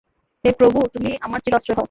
হে প্রভো! তুমি আমার চির আশ্রয় হও।